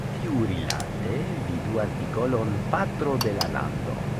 Tiurilate vidu artikolon Patro de la Lando.